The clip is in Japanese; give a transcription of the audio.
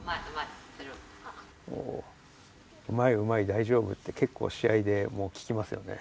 「うまいうまい大丈夫」って結構試合でも聞きますよね。